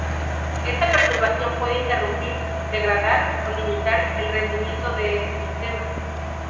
Esta perturbación puede interrumpir, degradar o limitar el rendimiento de ese sistema.